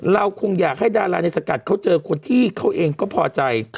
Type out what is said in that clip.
เราคงอยากให้ดาราในสกัดเขาเจอคนที่เขาเองก็พอใจ